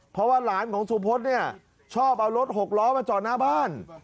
เพราะว่าหลานของสุพธเนี่ยชอบเอารถหกล้อมาจอดหน้าบ้าน